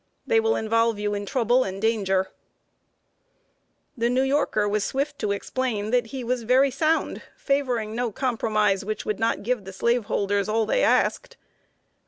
They will involve you in trouble and in danger!" [Sidenote: AN AMUSING COLLOQUY.] The New Yorker was swift to explain that he was very "sound," favoring no compromise which would not give the slaveholders all they asked.